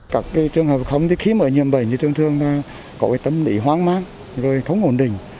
các trường hợp không khi mở nhiệm bệnh trường thương có tâm lý hoang mát không ổn định